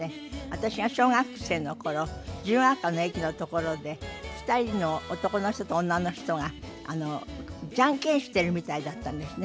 私が小学生の頃自由が丘の駅のところで２人の男の人と女の人がジャンケンしているみたいだったんですね。